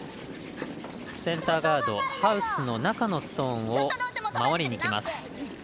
センターガードハウスの中のストーンを守りにきます。